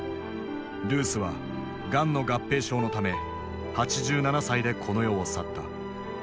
ルースはがんの合併症のため８７歳でこの世を去った。